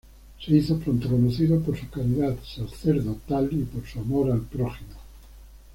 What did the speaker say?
Se hizo pronto conocido por su caridad sacerdotal y por su amor al prójimo.